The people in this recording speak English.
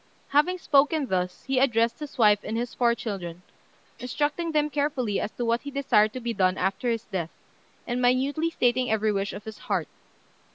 Having spoken thus, he addressed his wife and his four children, instructing them carefully as to what he desired to be done after his death, and minutely stating every wish of his heart.